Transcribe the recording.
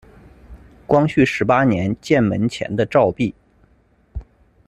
光绪十八年建门前的照壁。